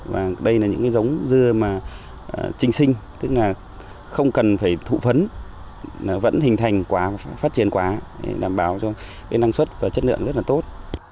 và đây là những cái giống dưa mà trinh sinh tức là không cần phải thụ phấn nó vẫn hình thành quả và phát triển quả để đảm bảo cho cái năng suất và chất lượng rất là tốt